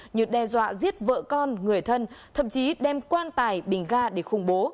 như đe dọa giết vợ con người thân thậm chí đem quan tài bình ga để khủng bố